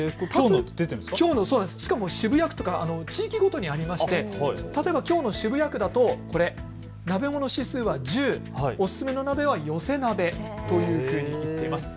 しかも渋谷区とか地域ごとにありまして例えばきょうの渋谷区だとこれ、鍋もの指数は１０、おすすめの鍋は寄せ鍋というふうに出ています。